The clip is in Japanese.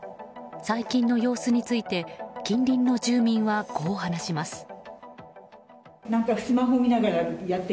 最近の様子について近隣の住民は、こう話します。